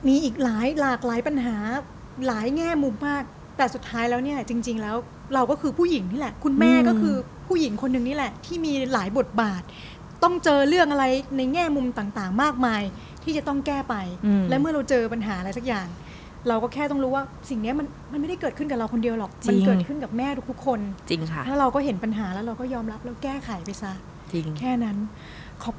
มีอีกหลากหลายปัญหาหลายแง่มุมมากแต่สุดท้ายแล้วเนี่ยจริงแล้วเราก็คือผู้หญิงนี่แหละคุณแม่ก็คือผู้หญิงคนนึงนี่แหละที่มีหลายบทบาทต้องเจอเรื่องอะไรในแง่มุมต่างมากมายที่จะต้องแก้ไปแล้วเมื่อเราเจอปัญหาอะไรสักอย่างเราก็แค่ต้องรู้ว่าสิ่งนี้มันไม่ได้เกิดขึ้นกับเราคนเดียวหรอกมันเกิดข